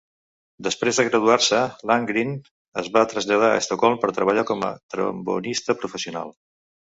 Després de graduar-se, Landgren es va traslladar a Estocolm per treballar com a trombonista professional.